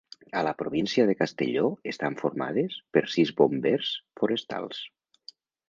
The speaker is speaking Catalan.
A la província de Castelló estan formades per sis bombers forestals.